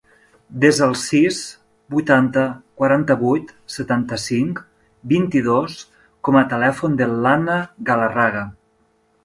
Desa el sis, vuitanta, quaranta-vuit, setanta-cinc, vint-i-dos com a telèfon de l'Anna Galarraga.